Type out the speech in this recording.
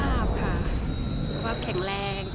สุขภาพแข็งแรง